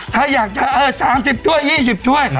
ถ้าอยากจะ๓๐ถ้วย๒๐ถ้วย